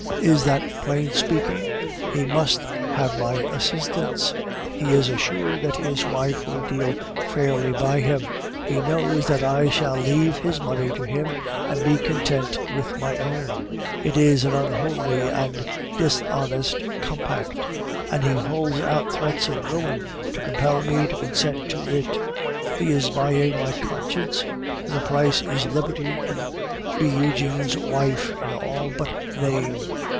Is that plain speaking? He must have my assistance. He is assured that his wife will deal fairly by him; he knows that I shall leave his money to him and be content with my own. It is an unholy and dishonest compact, and he holds out threats of ruin to compel me to consent to it. He is buying my conscience, and the price is liberty to be Eugene's wife in all but name.